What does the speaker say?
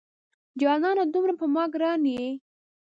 جانانه دومره په ما ګران یې